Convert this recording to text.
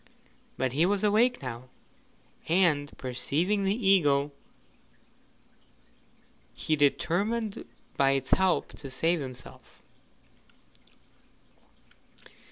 But he was awake now, and perceiving the eagle, he determined by its help to save himself.